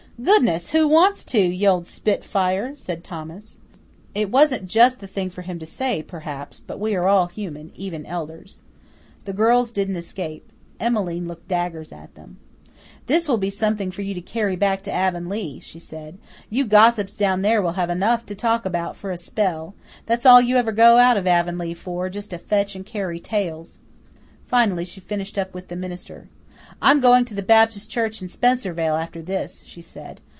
"Goodness, who wants to, you old spitfire?" said Thomas. It wasn't just the thing for him to say, perhaps, but we are all human, even elders. The girls didn't escape. Emmeline looked daggers at them. "This will be something for you to carry back to Avonlea," she said. "You gossips down there will have enough to talk about for a spell. That's all you ever go out of Avonlea for just to fetch and carry tales." Finally she finished up with the minister. "I'm going to the Baptist church in Spencervale after this," she said.